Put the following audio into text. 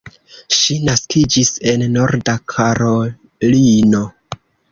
Ŝi naskiĝis en Norda Karolino.